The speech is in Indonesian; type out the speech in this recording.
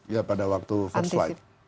ya pada waktu first flight